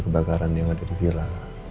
kebakaran yang ada di hilal